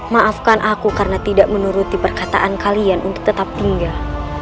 maafkan aku karena tidak menuruti perkataan kalian untuk tetap tinggal